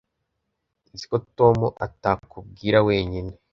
Nzi ko Tom atakubwira wenyine